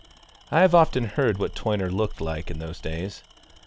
I have often heard what Toyner looked like in those days.